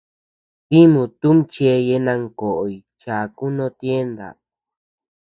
Dimoo tumi cheye nankoʼoy chaku no tienda.